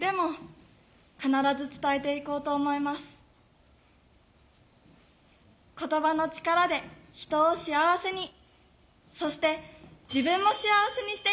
「ことばの力」で人を幸せにそして自分も幸せにしていきます。